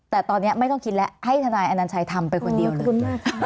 แต่ตอนนี้ไม่ต้องคิดแล้วให้ธนัยอนันชัยทำไปคนเดียวเลย